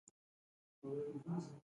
دوی المونیم له بریښنا څخه جوړوي.